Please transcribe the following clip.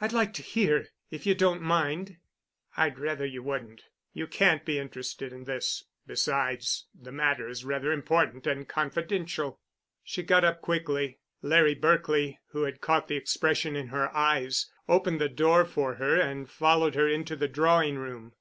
"I'd like to hear, if you don't mind." "I'd rather you wouldn't. You can't be interested in this—besides, the matter is rather important and confidential." She got up quickly. Larry Berkely, who had caught the expression in her eyes, opened the door for her and followed her into the drawing room.